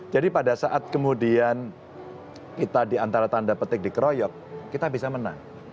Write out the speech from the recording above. jadi pada saat kemudian kita di antara tanda petik dikeroyok kita bisa menang